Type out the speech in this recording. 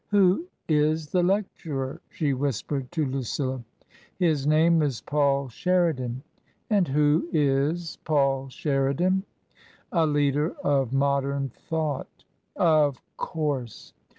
^ Who is the lecturer ?" she whispered to Lucilla. " His name is Paul Sheridan." " And who is Paul Sheridan ?"" A leader of modern thought." Of course